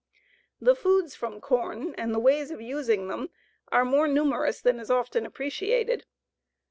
The foods from corn and the ways of using them are more numerous than is often appreciated.